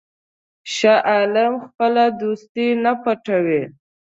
شاه عالم خپله دوستي نه پټوي.